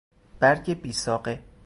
برگ بیساقه